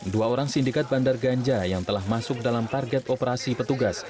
dua orang sindikat bandar ganja yang telah masuk dalam target operasi petugas